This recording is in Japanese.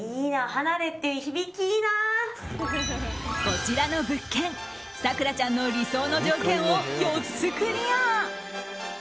こちらの物件咲楽ちゃんの理想の条件を４つクリア。